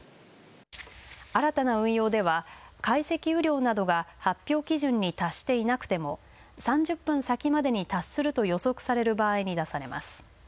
新たな運用では解析雨量などが発表基準に達していなくても３０分先までに達すると予測される場合に出されます。